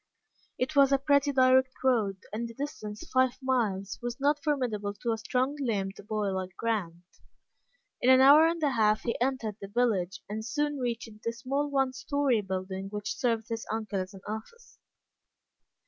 It was a pretty direct road, and the distance five miles was not formidable to a strong limbed boy like Grant. In an hour and a half he entered the village, and soon reached the small one story building which served his uncle as an office.